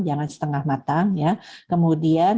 jangan setengah matang kemudian